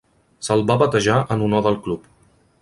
Se'l va batejar en honor del club.